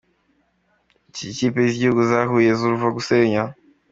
Ikipe z’ibigugu zahuye n’uruva gusenya